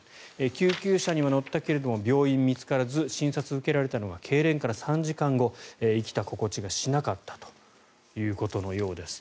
救急車には乗ったけれども病院が見つからず診察を受けられたのはけいれんから３時間後生きた心地がしなかったということです。